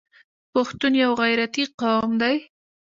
پښتون یو غیرتي قوم دی.